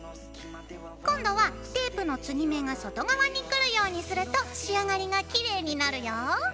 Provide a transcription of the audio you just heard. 今度はテープの継ぎ目が外側にくるようにすると仕上がりがきれいになるよ。